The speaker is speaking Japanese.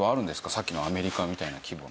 さっきのアメリカみたいな規模の。